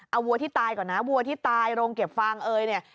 เอาวัวที่ตายก่อนนะวัวที่ตายโรงเก็บฟางเอยเนี่ย